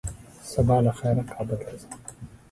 سبا له خيره کابل ته ځم